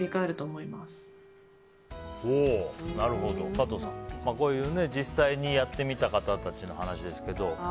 加藤さん、こういう実際にやってみた方たちの話ですけど。